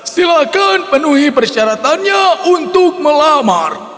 silakan penuhi persyaratannya untuk melamar